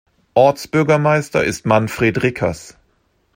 Ortsbürgermeister ist Manfred Rickers.